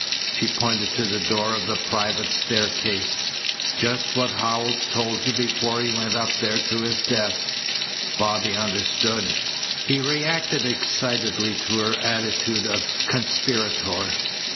She pointed to the door of the private staircase. "Just what Howells told you before he went up there to his death." Bobby understood. He reacted excitedly to her attitude of conspirator.